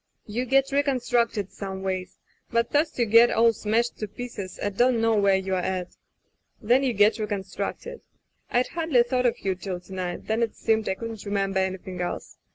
You get reconstructed someways — ^but first you get all smashed to pieces and don't know where you're at. Then you get reconstructed. I'd hardly thought of you till to night — then it seemed I couldn't remember anything else.